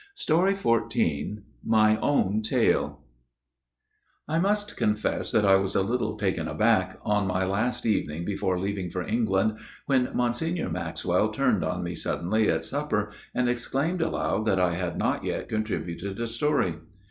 XIV My Own Tale XIV My Own Tale I MUST confess that I was a little taken aback, on my last evening before leaving for England, when Monsignor Maxwell turned on me suddenly at supper, and exclaimed aloud that I had not yet contributed a story.